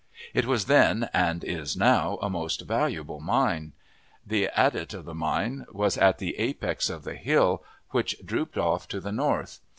It was then, and is now, a most valuable mine. The adit of the mine was at the apex of the hill, which drooped off to the north.